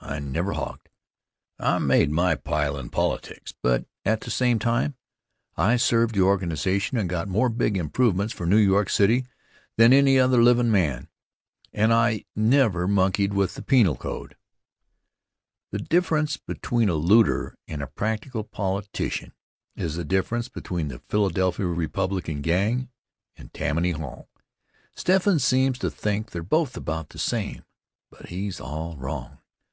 I never hogged. I made my pile in politics, but, at the same time, 1 served the organization and got more big improvements for New York City than any other livin' man. And I never monkeyed with the penal code. The difference between a looter and a practical politician is the difference between the Philadelphia Republican gang and Tammany Hall. Steffens seems to think they're both about the same; but he's all wrong.